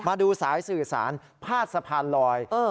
มาดูสายสื่อสารพาดสะพานลอย